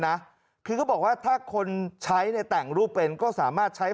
นะคือเขาบอกว่าถ้าคนใช้เนี่ยแต่งรูปเป็นก็สามารถใช้